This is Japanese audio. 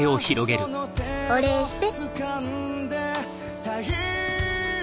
お礼して。